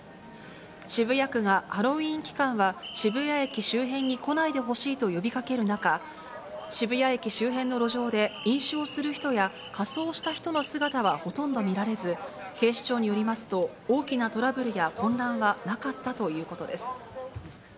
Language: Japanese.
渋谷区がハロウィーン期間は、渋谷駅周辺に来ないでほしいと呼びかける中、渋谷駅周辺の路上で飲酒をする人や仮装をした人の姿はほとんど見られず、警視庁によりますと、大きなトラブルや混乱はなかったということです。